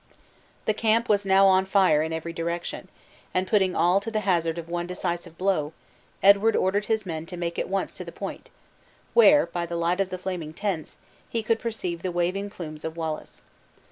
The camp was now on fire in every direction; and putting all to the hazard of one decisive blow, Edward ordered his men to make at once to the point, where, by the light of the flaming tents, he could perceive the waving plumes of Wallace.